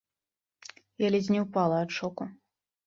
Я ледзь не ўпала ад шоку.